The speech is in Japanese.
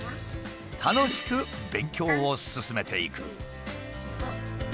楽しく勉強を進めていく。